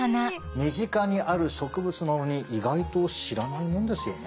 身近にある植物なのに意外と知らないもんですよね。